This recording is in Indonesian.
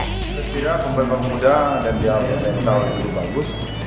ps tira memang muda dan dia mentalnya juga bagus